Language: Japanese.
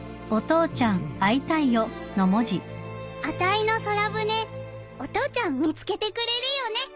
あたいの空船お父ちゃん見つけてくれるよね？